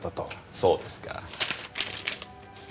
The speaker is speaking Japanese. そうですか。